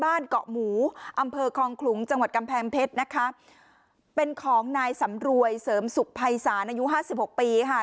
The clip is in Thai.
เกาะหมูอำเภอคลองขลุงจังหวัดกำแพงเพชรนะคะเป็นของนายสำรวยเสริมสุขภัยศาลอายุห้าสิบหกปีค่ะ